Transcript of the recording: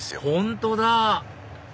本当だ！